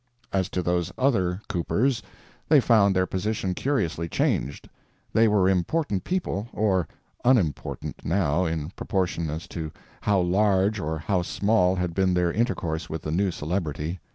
As to those other coopers, they found their position curiously changed—they were important people, or unimportant, now, in proportion as to how large or how small had been their intercourse with the new celebrity.